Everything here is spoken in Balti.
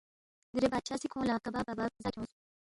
دیرے بادشاہ سی کھونگ لہ دیکھہ کباب بَباب زا کھیونگس